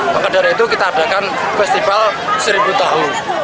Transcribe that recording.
maka dari itu kita adakan festival seribu tahu